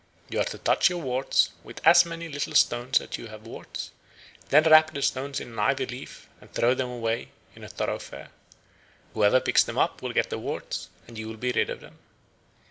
You are to touch your warts with as many little stones as you have warts; then wrap the stones in an ivy leaf, and throw them away in a thoroughfare. Whoever picks them up will get the warts, and you will be rid of them.